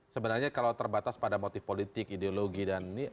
sebenarnya kalau terbatas pada motif politik ideologi dan ini